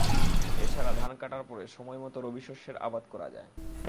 এ ছাড়া ধান কাটার পরে সময়মতো রবিশস্যের আবাদ করা যায়।